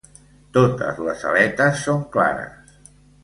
Totes les aletes són clares.